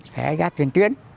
phải ra tuyển tuyến